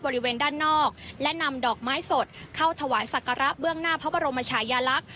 หลักไม้สดเข้าถวายศักระเบื้องหน้าพระบรมชายาลักษณ์